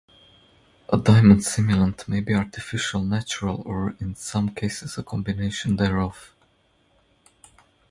A diamond simulant may be artificial, natural, or in some cases a combination thereof.